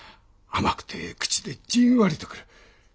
甘くて口でじんわりとくる。